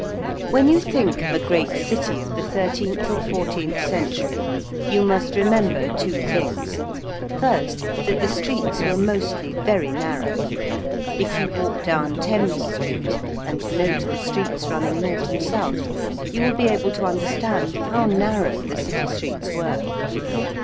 When you think of a great city of the thirteenth or fourteenth century you must remember two things. First, that the streets were mostly very narrow if you walk down Thames Street and note the streets running north and south you will be able to understand how narrow the City streets were.